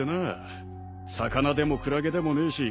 魚でもクラゲでもねえし。